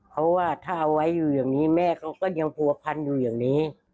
เพราะว่าถ้าเอาไว้อยู่อย่างนี้แม่เขาก็ยังผัวพันอยู่อย่างนี้